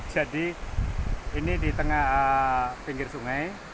jadi ini di tengah pinggir sungai